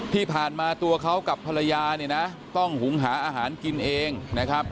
ที่ผ่านมาตัวเขากับภรรยาเนี่ยนะต้องหุงหาอาหารกินเองนะครับ